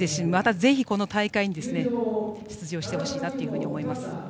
ぜひ、この大会に出場してほしいなと思います。